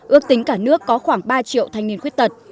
ước tính cả nước có khoảng ba triệu thanh niên khuyết tật